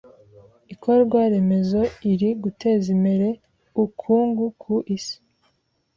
iikorwa remezo iri guteza imere uukungu ku isi